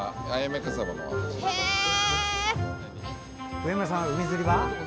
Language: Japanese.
上村さん、海釣りは？